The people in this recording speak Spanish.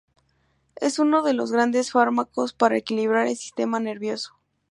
Es uno de los grandes fármacos para equilibrar el sistema nervioso.